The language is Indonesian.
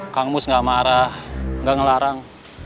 kang mus gak marah gak ngelarang